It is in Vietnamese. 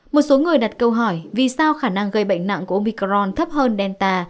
một số người đặt câu hỏi vì sao khả năng gây bệnh nặng của omicron thấp hơn delta